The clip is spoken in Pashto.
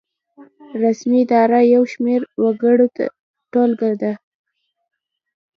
رسمي اداره د یو شمیر وګړو ټولګه ده.